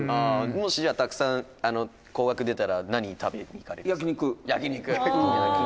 「もし、じゃあ、たくさん高額出たら何食べに行かれるんですか？」